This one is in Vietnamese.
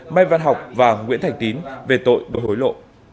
mai văn học và nguyễn thành tín về tội đổi hối lộ